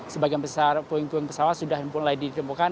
sebagian besar puing puing pesawat sudah mulai ditemukan